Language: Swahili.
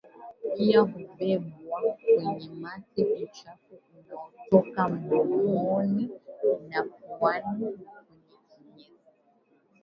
Pia hubebwa kwenye mate uchafu unaotoka mdomoni na puani na kwenye kinyesi